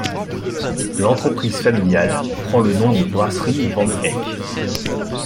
L'entreprise familiale prend le nom de Brasserie Van Eecke.